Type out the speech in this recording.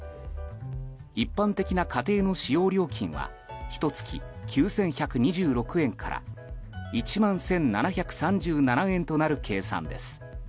一般的な家庭の使用料金はひと月９１２６円から１万１７３７円となる計算です。